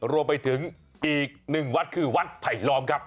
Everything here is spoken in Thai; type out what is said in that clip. รวมไปถึงอีกหนึ่งวัดคือวัดไผลล้อมครับ